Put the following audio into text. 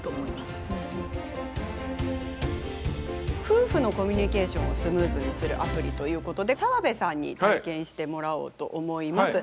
夫婦のコミュニケーションをスムーズにするアプリということで澤部さんに体験してもらおうと思います。